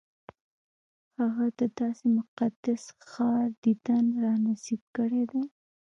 هغه د داسې مقدس ښار دیدن را نصیب کړی دی.